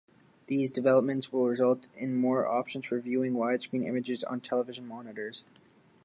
These developments will result in more options for viewing widescreen images on television monitors.